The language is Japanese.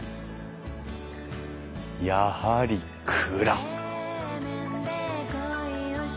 やはり蔵！